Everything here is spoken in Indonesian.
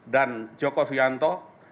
dan joko suyanto